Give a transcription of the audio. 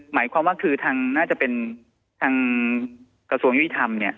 หมายความว่าคือทางน่าจะเป็นทางกระทรวงยุติธรรมเนี่ย